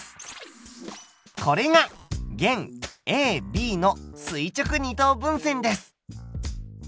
これが弦ＡＢの垂直二等分線です。